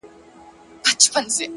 صادق انسان آرامه شپه لري.!